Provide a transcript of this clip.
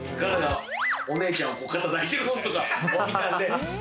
お姉ちゃんの肩抱いてるのを見たんで。